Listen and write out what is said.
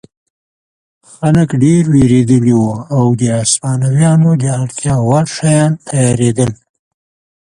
خلک ډېر وېرېدلي وو او د هسپانویانو د اړتیا وړ شیان تیارېدل.